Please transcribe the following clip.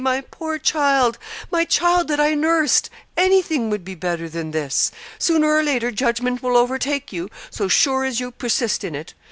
my poor child my child that I nursed! anything would be better than this. Sooner or later judgment will overtake you, so sure as you persist in it.